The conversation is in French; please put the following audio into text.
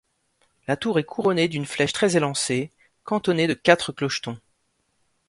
La tour est couronnée d'une flèche très élancée, cantonnée de quatre clochetons.